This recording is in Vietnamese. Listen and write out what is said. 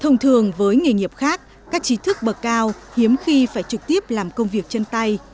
thông thường với nghề nghiệp khác các trí thức bậc cao hiếm khi phải trực tiếp làm công việc chân tay